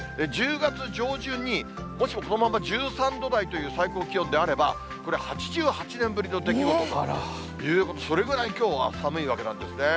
１０月上旬に、もしもこのまま１３度台という最高気温であれば、これ、８８年ぶりの出来事ということ、それぐらいきょうは寒いわけなんですね。